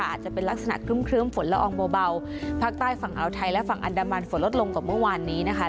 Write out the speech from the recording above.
อาจจะเป็นลักษณะครึ้มฝนละอองเบาภาคใต้ฝั่งอาวไทยและฝั่งอันดามันฝนลดลงกว่าเมื่อวานนี้นะคะ